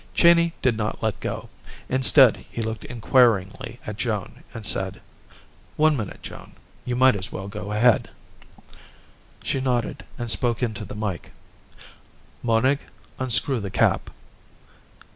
Cheyney did not let go; instead, he looked inquiringly at Joan and said, "One minute, Joan. You might as well go ahead." She nodded and spoke into the mike. "Monig, unscrew the cap."